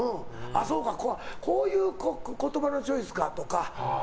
そうかこういう言葉のチョイスかとか。